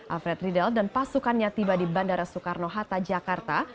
alfred riedel dan pasukannya tiba di bandara soekarno hatta jakarta